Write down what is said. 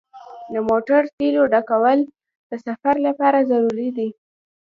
د موټر تیلو ډکول د سفر لپاره ضروري دي.